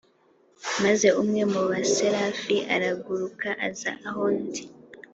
Maze umwe mu baserafi araguruka aza aho ndi